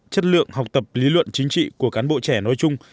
chất lượng học tập lý luận chính trị của cán bộ trẻ nói chung